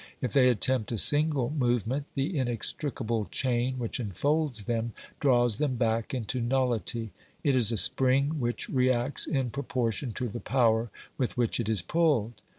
If they attempt a single movement, the inextricable chain which enfolds them draws them back into nuUity ; it is a spring which reacts in proportion to the power with which it is pulled.